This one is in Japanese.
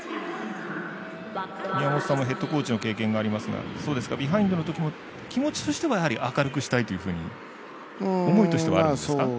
宮本さんもヘッドコーチの経験がありますがビハインドの時も気持ちとしては、やはり明るくしたいというふうに思いとしてはあるんですか？